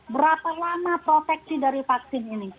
berapa lama proteksi dari vaksin ini